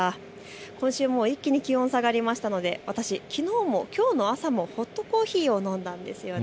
今週も一気に気温が下がりましたので私、きのうも、きょうの朝もホットコーヒーを飲んだんです。